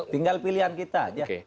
tinggal pilihan kita aja